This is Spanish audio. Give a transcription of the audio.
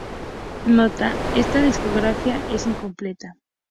Nota: "Esta discografía es incompleta.